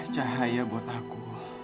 cahaya buat aku